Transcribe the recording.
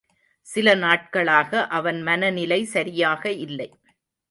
சில நாட்களாக அவன் மனநிலை சரியாக இல்லை.